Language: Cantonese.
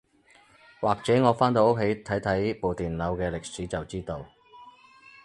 或者我返到屋企睇睇部電腦嘅歷史就知道